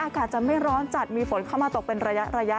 อากาศจะไม่ร้อนจัดมีฝนเข้ามาตกเป็นระยะ